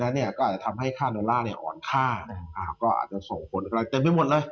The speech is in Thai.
อ่อนค่าก็อาจจะส่งคนเต็มไปหมดเลย